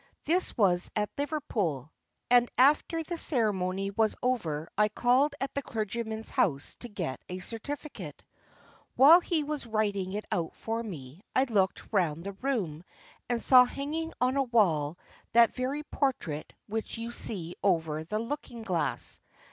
This was at Liverpool, and after the ceremony was over I called at the clergyman's house to get a certificate. While he was writing it out for me, I looked round the room, and saw hanging on the wall that very portrait which you see there over the looking glass.